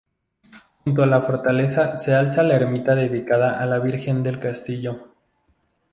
Junto a la fortaleza se alza la ermita dedicada a la Virgen del Castillo.